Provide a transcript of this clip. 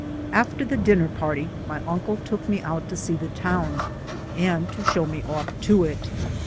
After the dinner party, my uncle took me out to see the town and to show me off to it.